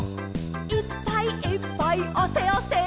「いっぱいいっぱいあせあせ」